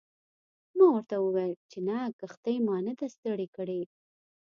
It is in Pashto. ما ورته وویل چې نه کښتۍ ما نه ده ستړې کړې.